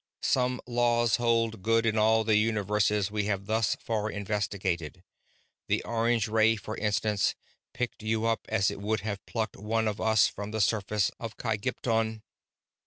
"Some laws hold good in all the universes we have thus far investigated. The orange ray, for instance, picked you up as it would have plucked one of us from the surface of Kygpton.